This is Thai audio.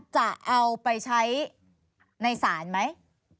จะเอาไปใช้ในศาลไหม